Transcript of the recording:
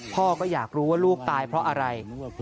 พ่อก็อยากรู้ว่าลูกตายเพราะอะไร